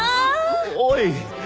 おい。